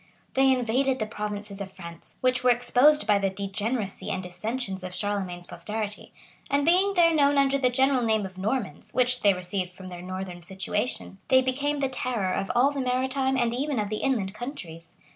[*] They invaded the provinces of France, which were exposed by the degeneracy and dissensions of Charlemagne's posterity; and being there known under the general name of Normans, which they received from their northern situation, they became the terror of all the maritime and even of the inland countries.